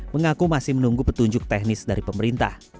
mengaku masih menunggu petunjuk teknis dari pemerintah